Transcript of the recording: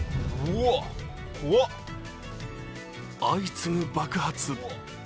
相次ぐ爆発。